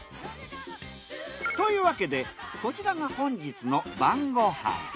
というわけでこちらが本日の晩ごはん。